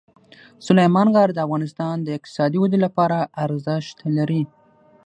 سلیمان غر د افغانستان د اقتصادي ودې لپاره ارزښت لري.